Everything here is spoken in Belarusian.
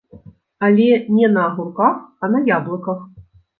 Але не на агурках, а на яблыках!